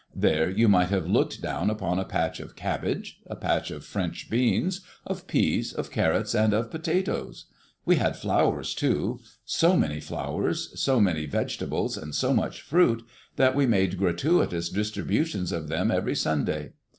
There you might have looked down upon a patch of cabbage, a patch of French beans, of peas, of carrots, and of potatoes. We had flowers too, so many flowers, so many vegetables, and so much fruit, that we made gratuitous distributions of them every Sunday.